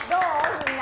みんな。